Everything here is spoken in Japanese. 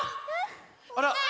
あら！